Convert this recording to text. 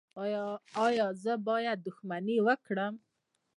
ایا زه باید دښمني وکړم؟